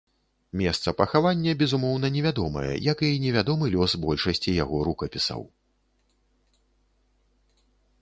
Месца пахавання, безумоўна, невядомае, як і невядомы лёс большасці яго рукапісаў.